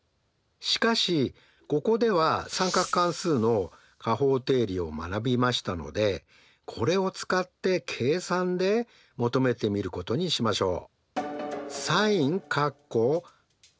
しかしここでは三角関数の加法定理を学びましたのでこれを使って計算で求めてみることにしましょう。